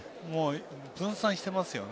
分散していますね。